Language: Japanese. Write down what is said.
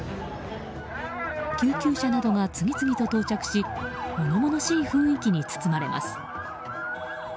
救急車などが次々と到着し物々しい雰囲気に包まれます。